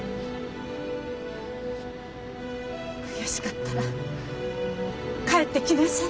悔しかったら帰ってきなさい。